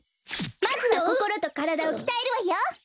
まずはこころとからだをきたえるわよ！